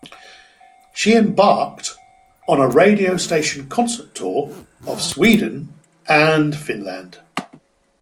She embarked on a Radio Station's Concert Tour of Sweden and Finland.